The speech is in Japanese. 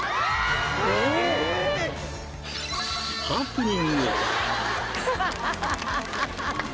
ハプニング。